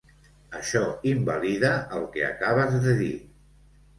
Això invalida el que acabes de dir.